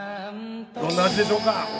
どんな味でしょうか？